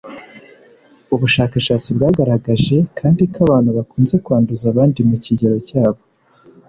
Ubushakashatsi bwagaragaje kandi ko abantu bakunze kwanduza abandi mu kigero cyabo